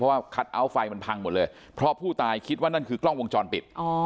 เพราะว่าคัทเอาท์ไฟมันพังหมดเลยเพราะผู้ตายคิดว่านั่นคือกล้องวงจรปิด